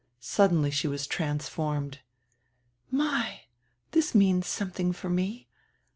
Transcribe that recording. Suddenly she was trans formed. "My, this means something for me.